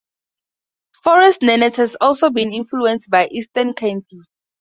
Forest Nenets has also been influenced by Eastern Khanty.